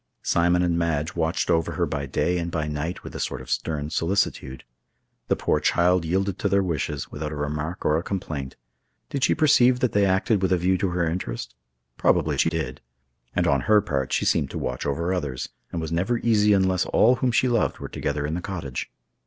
Simon and Madge watched over her by day and by night with a sort of stern solicitude. The poor child yielded to their wishes, without a remark or a complaint. Did she perceive that they acted with a view to her interest? Probably she did. And on her part, she seemed to watch over others, and was never easy unless all whom she loved were together in the cottage.